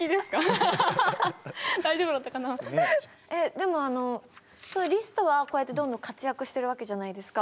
でもリストはこうやってどんどん活躍してるわけじゃないですか。